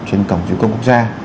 trên cổng chứng công quốc gia